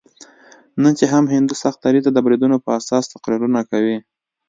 نن چې هم هندو سخت دریځي د بریدونو په اساس تقریرونه کوي.